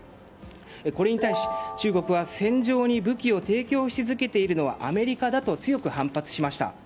これに対し、中国は戦場に武器を提供し続けているのはアメリカだと強く反発しました。